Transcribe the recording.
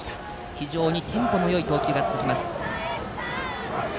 非常にテンポのいい投球が続きます。